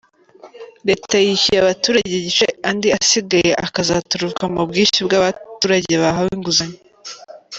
Leta yishyuye abaturage igice andi asigaye akazaturuka mu bwishyu bw’abaturage bahawe inguzanyo.